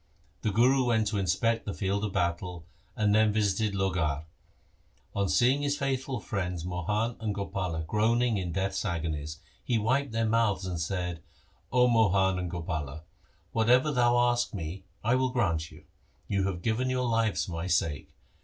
The Guru went to inspect the field of battle, and then visited Lohgarh. On seeing his faithful friends Mohan and Gopala groaning in death's agonies, he wiped their mouths and said, ' O Mohan and Gopala, whatever you ask me I will grant you. You have given your lives for my sake.